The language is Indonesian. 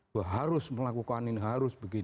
bahwa harus melakukan ini harus begini